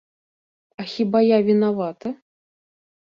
А хіба я вінавата?